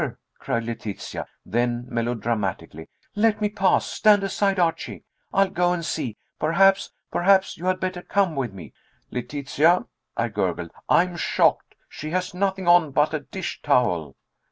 cried Letitia. Then, melodramatically: "Let me pass. Stand aside, Archie. I'll go and see. Perhaps perhaps you had better come with me." "Letitia," I gurgled, "I'm shocked! She has nothing on but a dish towel."